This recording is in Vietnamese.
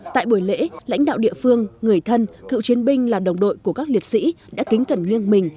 tại buổi lễ lãnh đạo địa phương người thân cựu chiến binh là đồng đội của các liệt sĩ đã kính cẩn nghiêng mình